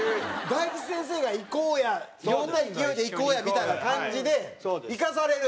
大吉先生が「行こうや！」。酔うた勢いで「行こうや！」みたいな感じで行かされる？